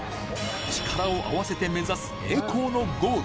力を合わせて目指す栄光のゴール。